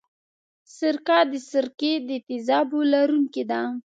سرکه د سرکې د تیزابو لرونکې ده.